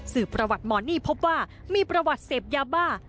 ประวัติหมอนี่พบว่ามีประวัติเสพยาบ้า